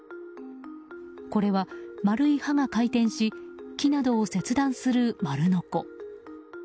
これは、丸い刃が回転し木などを切断する丸ノコ。